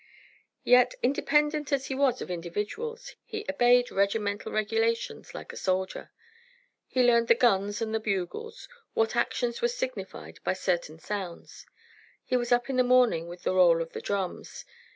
Yet independent as he was of individuals, he obeyed regimental regulations like a soldier. He learned the guns and the bugles, what actions were signified by certain sounds. He was up in the morning with the roll of the drums.